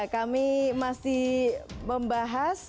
kami masih membahas